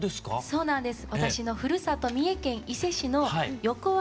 そうなんです。